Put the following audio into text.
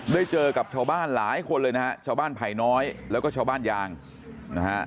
ได้เจอกับชาวบ้านหลายคนเลยนะฮะชาวบ้านไผ่น้อยแล้วก็ชาวบ้านยางนะฮะ